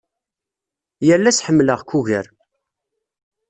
Yal ass ḥemmleɣ-k ugar.